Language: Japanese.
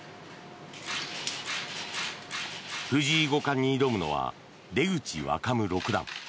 藤井五冠に挑むのは出口若武六段。